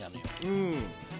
うん。